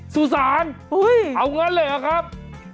สุสานเอางั้นเลยเหรอครับ